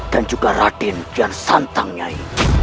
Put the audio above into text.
dan juga raden kian santang nyai